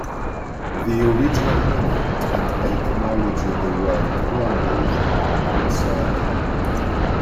The original meaning and etymology of the word "chronos" are uncertain.